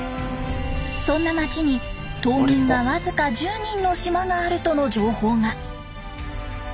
そんな街に島民僅か１０人の島があるとの情報が。